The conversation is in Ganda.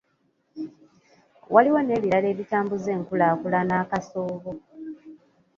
Waliwo n’ebirala ebitambuza enkulaakulana akasoobo.